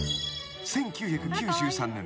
［１９９３年。